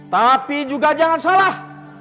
tapi juga jangan salah